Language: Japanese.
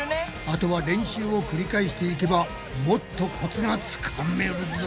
あとは練習を繰り返していけばもっとコツがつかめるぞ。